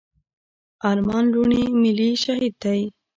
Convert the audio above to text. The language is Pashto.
ارمان لوڼي ملي شهيد دی.